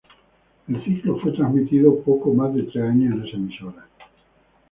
El ciclo fue transmitido poco más de tres años en esa emisora.